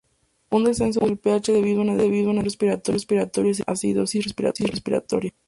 Un descenso del pH debido a una depresión respiratoria se llama acidosis respiratoria.